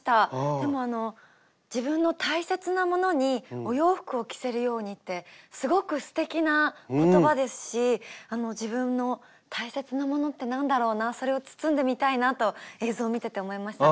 でもあの自分の大切なものにお洋服を着せるようにってすごくすてきな言葉ですし自分の大切なものって何だろうなそれを包んでみたいなと映像を見てて思いましたね。